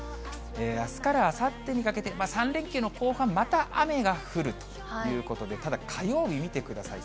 あすからあさってにかけて、３連休の後半、また雨が降るということで、ただ火曜日見てください。